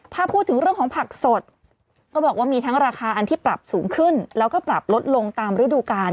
ถ้าพูดถึงเรื่องของผักสดก็บอกว่ามีทั้งราคาอันที่ปรับสูงขึ้นแล้วก็ปรับลดลงตามฤดูกาล